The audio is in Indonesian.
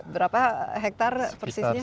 berapa hektar persisnya